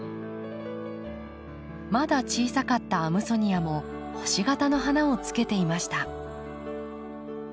まだ小さかったアムソニアも星形の花をつけていました。